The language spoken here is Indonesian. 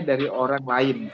dari orang lain